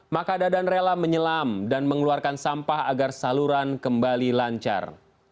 maka dadan rela menyelam dan mengeluarkan sampah agar saluran kembali lancar